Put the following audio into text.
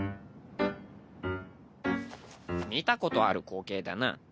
見たことある光景だな。